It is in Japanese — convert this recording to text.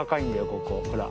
ここほら。